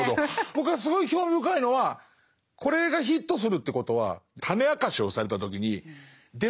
僕がすごい興味深いのはこれがヒットするということは種明かしをされた時にでも何か分かるぞって。